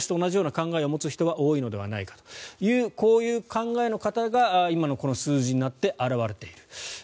私と同じような考えを持つ人は多いのではないかというこういう考えの方が今の数字になって表れている。